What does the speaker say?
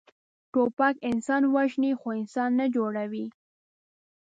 توپک انسان وژني، خو انسان نه جوړوي.